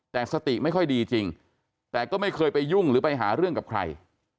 แต่สติไม่ค่อยดีจริงแต่ก็ไม่เคยไปยุ่งหรือไปหาเรื่องกับใคร